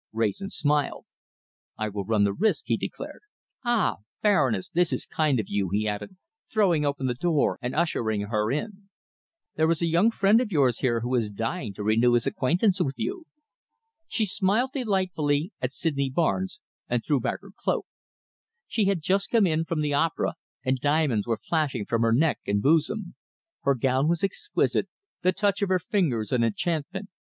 Wrayson smiled. "I will run the risk," he declared. "Ah! Baroness, this is kind of you," he added, throwing open the door and ushering her in. "There is a young friend of yours here who is dying to renew his acquaintance with you." She smiled delightfully at Sydney Barnes, and threw back her cloak. She had just come in from the opera, and diamonds were flashing from her neck and bosom. Her gown was exquisite, the touch of her fingers an enchantment.